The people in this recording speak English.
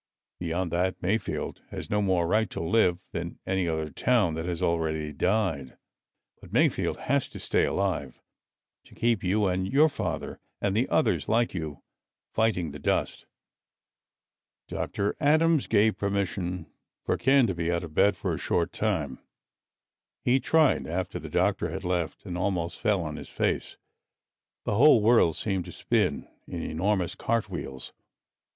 Beyond that, Mayfield has no more right to live than any other town that has already died. But Mayfield has to stay alive to keep you and your father and the others like you fighting the dust." Dr. Adams gave permission for Ken to be out of bed for a short time. He tried, after the doctor had left, and almost fell on his face. The whole world seemed to spin in enormous cart wheels.